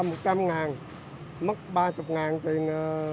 mất ba mươi tiền